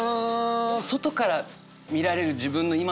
外から見られる自分の今の姿